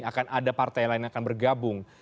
akan ada partai lain yang akan bergabung